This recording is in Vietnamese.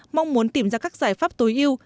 mong muốn tìm ra các giải pháp tối tư